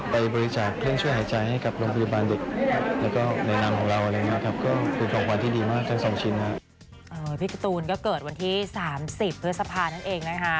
พี่กูตูนก็เกิดวันที่๓๐เพื่อสะพานั่นเองนะคะ